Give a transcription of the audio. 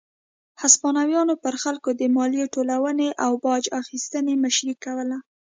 هسپانویانو پر خلکو د مالیې ټولونې او باج اخیستنې مشري کوله.